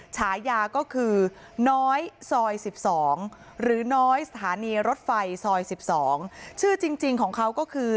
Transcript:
ฉายาก็คือนศรีธรรมราชหรือนศรีธรรมราชชื่อจริงของเขาก็คือ